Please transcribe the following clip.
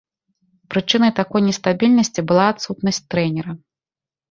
Прычынай такой нестабільнасці была адсутнасць трэнера.